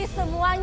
itu blue kak raina